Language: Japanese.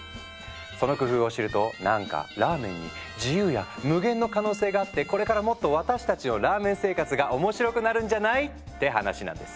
その工夫を知るとなんかラーメンに自由や無限の可能性があってこれからもっと私たちのラーメン生活が面白くなるんじゃない？って話なんです。